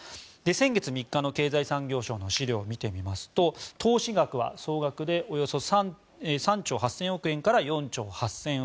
先月３日の経済産業省の資料を見てみますと投資額は総額でおよそ３兆８０００億円から４兆８０００億円。